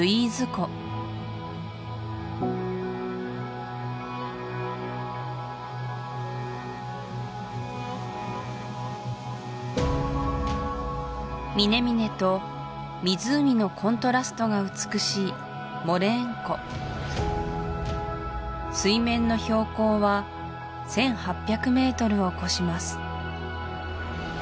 湖峰々と湖のコントラストが美しいモレーン湖水面の標高は１８００メートルを超します